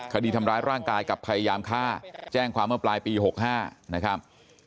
คดีทำร้ายร่างกายกับพยายามฆ่าแจ้งความเมื่อปลายปี๖๕นะครับ